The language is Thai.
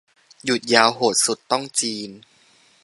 หยุดยาวโหดสุดต้องจีน